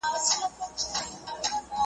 مخامخ تته رڼا کي .